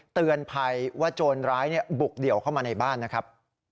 เตือนภัยว่าโจรร้ายบุกเดี่ยวเข้ามาในบ้านนะครับ